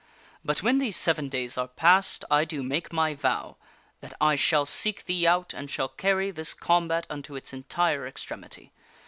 But when these seven days are passed, I do make my vow that I shall seek thee out and shall carry this combat unto its entire extremity.